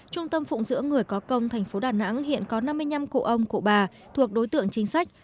trung tâm phụng dưỡng người có công tp đà nẵng hiện có năm mươi năm cụ ông cụ bà thuộc đối tượng chính sách